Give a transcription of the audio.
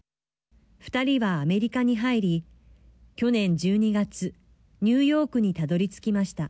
２人はアメリカに入り去年１２月ニューヨークにたどりつきました。